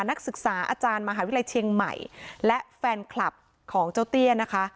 นักศึกษาอาจารย์มหาวิทยาลัยเชียงใหม่และแฟนคลับของเจ้าเตี้ยนะคะ